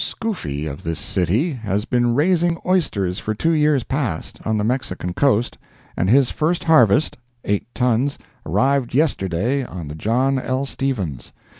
Scoofy, of this city, has been raising oysters for two years past, on the Mexican coast, and his first harvest—eight tons—arrived yesterday on the John L. Stephens.